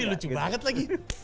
ini lucu banget lagi